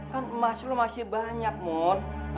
kan emas lo masih banyak mon